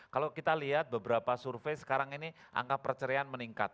kalau kita lihat beberapa survei sekarang ini angka perceraian meningkat